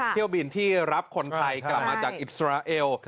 เที่ยวบินที่รับคนไทยกลับมาจากอิสราเอล